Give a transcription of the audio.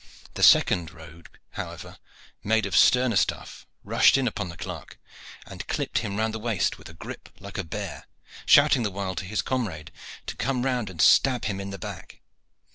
The second rogue, however, made of sterner stuff, rushed in upon the clerk, and clipped him round the waist with a grip like a bear, shouting the while to his comrade to come round and stab him in the back.